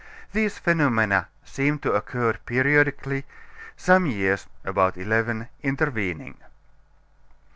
These phenomena seem to occur periodically; some years (about eleven) intervening.